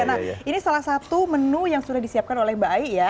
nah ini salah satu menu yang sudah disiapkan oleh mbak ai ya